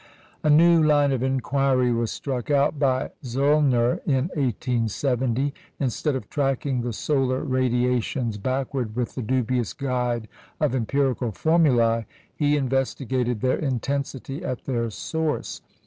A new line of inquiry was struck out by Zöllner in 1870. Instead of tracking the solar radiations backward with the dubious guide of empirical formulæ, he investigated their intensity at their source.